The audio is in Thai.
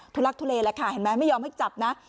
ทักทุเลแหละค่ะเห็นไหมไม่ยอมให้จับนะ